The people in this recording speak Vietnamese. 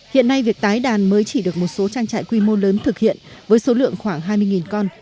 hiện nay việc tái đàn mới chỉ được một số trang trại quy mô lớn thực hiện với số lượng khoảng hai mươi con